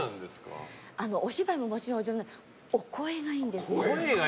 お芝居ももちろんお上手だけどお声がいいんです。